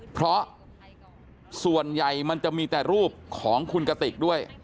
เพราะส่วนใหญ่มันจะมีแต่รูปของคุณกติกด้วย